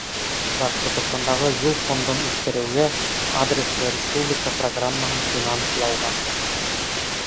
— Башҡортостандағы Юл фондын үҫтереүгә, адреслы республика программаһын финанслауға;